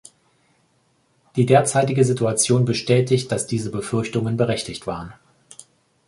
Die derzeitige Situation bestätigt, dass diese Befürchtungen berechtigt waren.